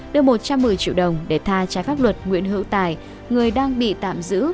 đưa một trăm một mươi triệu đồng để tha trái pháp luật nguyễn hữu tài người đang bị tạm giữ